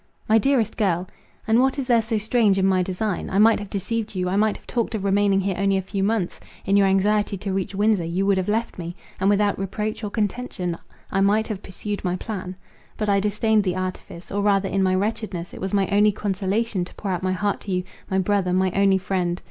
"My dearest girl!" "And what is there so strange in my design? I might have deceived you; I might have talked of remaining here only a few months; in your anxiety to reach Windsor you would have left me, and without reproach or contention, I might have pursued my plan. But I disdained the artifice; or rather in my wretchedness it was my only consolation to pour out my heart to you, my brother, my only friend.